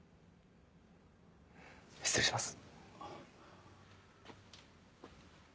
失礼します。